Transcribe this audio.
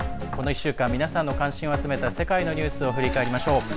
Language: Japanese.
この１週間皆さんの関心を集めた世界のニュースを振り返りましょう。